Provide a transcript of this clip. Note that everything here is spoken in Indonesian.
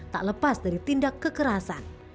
tidak ada yang melepas dari tindak kekerasan